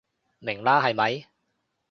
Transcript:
明啦係咪？